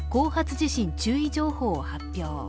地震注意情報を発表。